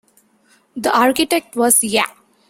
The architect was Ya.